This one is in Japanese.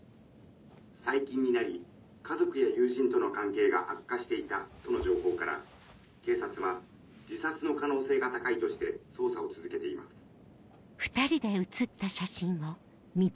最近になり家族や友人との関係が悪化していたとの情報から警察は自殺の可能性が高いとして捜査を続けています。